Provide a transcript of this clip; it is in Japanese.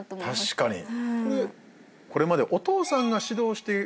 確かに。